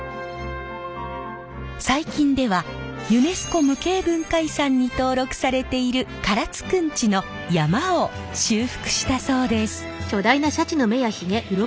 最近ではユネスコ無形文化遺産に登録されている唐津くんちの曳山を修復したそうです。